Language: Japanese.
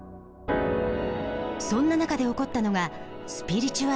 そんな中で起こったのがスピリチュアルブームだ。